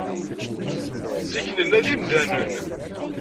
Zik, nella d imdanen.